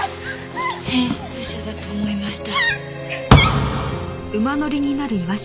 変質者だと思いました。